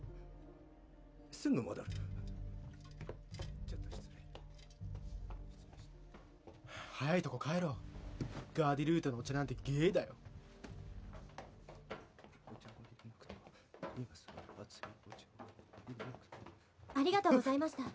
すぐ戻る早いとこ帰ろうガーディルートのお茶なんてゲーだよありがとうございました